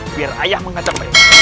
biar ayah mengajak